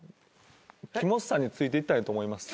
木本さんについていったんやと思います。